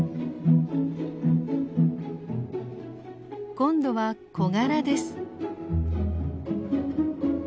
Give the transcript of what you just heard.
今度はコガラです。